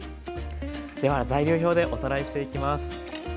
では材料表でおさらいしていきます。